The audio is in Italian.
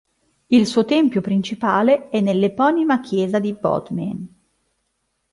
Il suo tempio principale è nell'eponima chiesa di Bodmin.